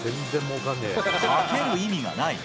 賭ける意味がない。